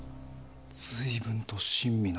随分と親身な。